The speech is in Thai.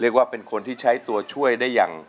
เรียกว่าเป็นคนที่ใช้ตัวช่วยได้อย่าง